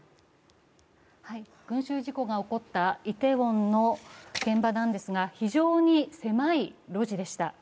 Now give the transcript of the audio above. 群集事故が起こったイテウォンの現場なんですが、非常に狭い路地でした。